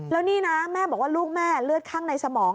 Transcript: แล้วนี่นะแม่บอกว่าลูกแม่เลือดข้างในสมอง